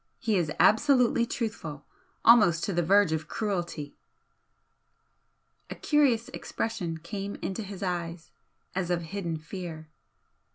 He is absolutely truthful almost to the verge of cruelty!" A curious expression came into his eyes, as of hidden fear.